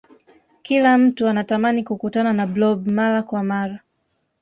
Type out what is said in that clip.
kila mtu anatamani kukutana na blob mara kwa mara